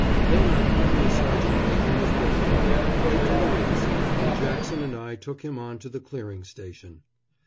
Then our company sergeant major was brought down, quite delirious, and Jackson and I took him on to the clearing station.